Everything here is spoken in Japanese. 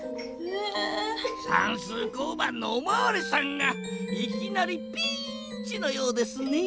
さんすう交番のおまわりさんがいきなりピーンチのようですねぇ。